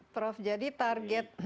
prof jadi target